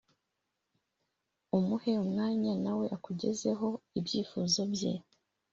umuhe umwanya nawe akugezeho ibyifuzo bye